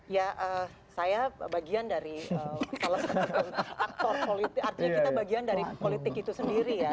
ya saya bagian dari salah satu aktor politik artinya kita bagian dari politik itu sendiri ya